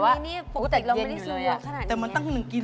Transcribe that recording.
อันนี้นี่ปกติเราไม่ได้ซื้อมาขนาดนี้เนี่ย